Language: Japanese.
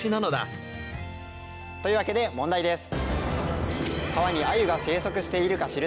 というわけで問題です。